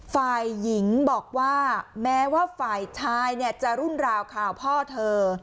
ฝ่ายหญิงบอกว่าแม้ว่าฝ่ายชายเนี่ยจะรุ่นราวข่าวพ่อเธอ